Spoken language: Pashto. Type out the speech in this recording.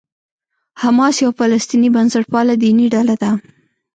حماس یوه فلسطیني بنسټپاله دیني ډله ده.